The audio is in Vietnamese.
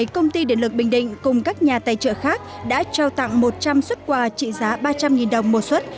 công ty điện lực bình định cùng các nhà tài trợ khác đã trao tặng một trăm linh xuất quà trị giá ba trăm linh đồng một xuất